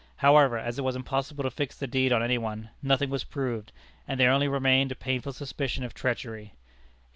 However, as it was impossible to fix the deed on any one, nothing was proved, and there only remained a painful suspicion of treachery.